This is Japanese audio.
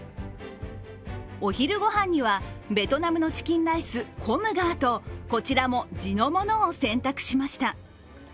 お昼ごはんにはベトナムのチキンライスコムガーとこちらも地のものを選択しました。